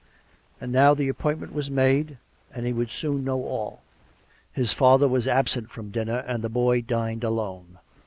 And now the appointment was made, and he would soon know all. His father was absent from dinner and the boy dined alone.